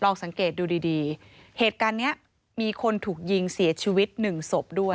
สังเกตดูดีดีเหตุการณ์เนี้ยมีคนถูกยิงเสียชีวิตหนึ่งศพด้วย